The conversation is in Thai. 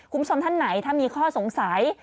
คุณผู้ชมท่านไหนถ้ามีข้อสงสัย